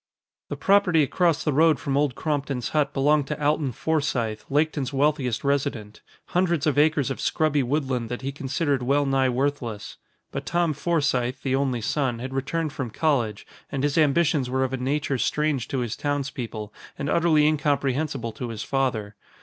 The property across the road from Old Crompton's hut belonged to Alton Forsythe, Laketon's wealthiest resident hundreds of acres of scrubby woodland that he considered well nigh worthless. But Tom Forsythe, the only son, had returned from college and his ambitions were of a nature strange to his townspeople and utterly incomprehensible to his father.